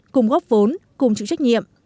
cùng góp vốn cùng chịu trách nhiệm